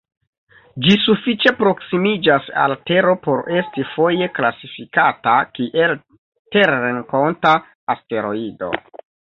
Ĝi sufiĉe proksimiĝas al Tero por esti foje klasifikata kiel terrenkonta asteroido.